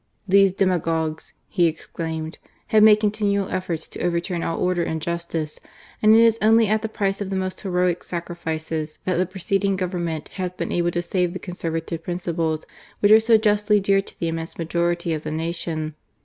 '^ These demagogues/' he exclaimed, have made continual efforts to overturn all order and justice, and it is only at the price of the most heroic sacrifices .that the preceding Government has been able to save the Conservative principles which are so justly dear to the immense majority of the nation.